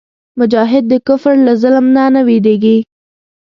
مجاهد د کفر له ظلم نه وېرېږي نه.